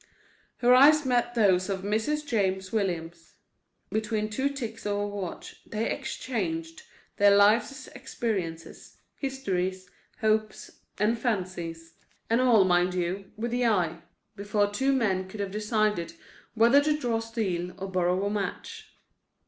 Her eyes met those of Mrs. James Williams. Between two ticks of a watch they exchanged their life's experiences, histories, hopes and fancies. And all, mind you, with the eye, before two men could have decided whether to draw steel or borrow a match.